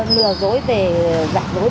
nên là lừa dối về dạng dối